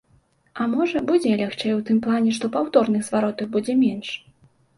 А можа, будзе і лягчэй у тым плане, што паўторных зваротаў будзе менш.